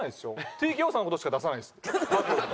ＴＫＯさんの事しか出さないです。